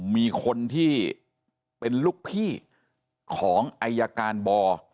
มีคนที่เป็นลูกพี่ของอายการบอ